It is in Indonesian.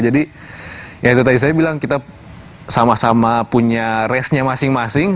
jadi ya itu tadi saya bilang kita sama sama punya race nya masing masing